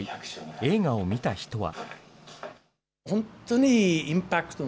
映画を見た人は。